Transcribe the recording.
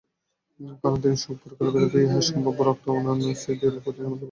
কারণ তিনি সুপরিকল্পিতভাবে ইয়াহিয়ার সম্ভাব্য রক্তস্নান নীতির প্রতি সমর্থন ব্যক্ত করেছিলেন।